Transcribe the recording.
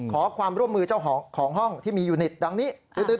ขอความร่วมมือเจ้าของห้องที่มียูนิตดังนี้